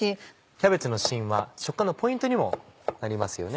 キャベツの芯は食感のポイントにもなりますよね。